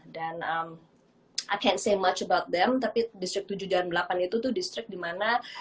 dan i can't say much about them tapi distrik tujuh dan delapan itu tuh distrik dimana